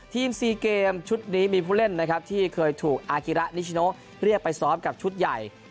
๔เกมชุดนี้มีผู้เล่นนะครับที่เคยถูกอากิระนิชโนเรียกไปซ้อมกับชุดใหญ่